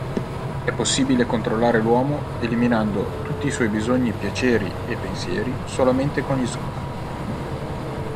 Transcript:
È possibile controllare l'uomo eliminando tutti i suoi bisogni, piaceri e pensieri solamente con gli slogan.